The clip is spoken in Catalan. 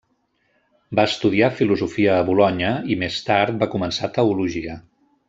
Va estudiar filosofia a Bolonya, i més tard va començar teologia.